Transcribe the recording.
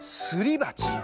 すりばち？